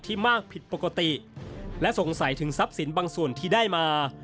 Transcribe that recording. มากผิดปกติและสงสัยถึงทรัพย์สินบางส่วนที่ได้มา